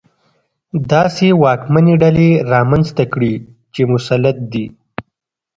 داسې واکمنې ډلې رامنځته کړي چې مسلط دي.